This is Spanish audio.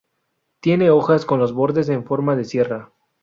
Tiene hojas con los bordes en forma de sierra.